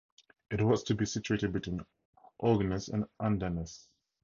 It was to be situated between Haugnes and Andenes.